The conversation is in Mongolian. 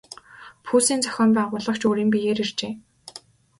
Пүүсийн зохион байгуулагч өөрийн биеэр иржээ.